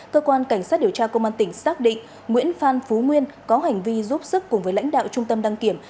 cơ quan cảnh sát điều tra công an tỉnh xác định nguyễn phan phú nguyên có hành vi giúp sức cùng với lãnh đạo trung tâm đăng kiểm